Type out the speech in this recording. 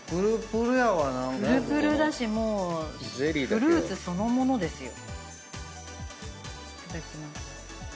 ぷるぷるだしもうフルーツそのものですよ。